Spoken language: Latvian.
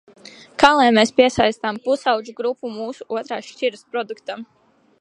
Kā lai mēs piesaistām pusaudžu grupu mūsu otrās šķiras produktam?